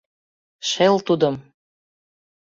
Шел тудым.